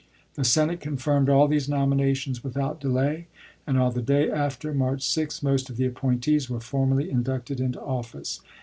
The Senate confirmed all these nominations with out delay ; and on the day after, March 6, most of the appointees were formally inducted into office.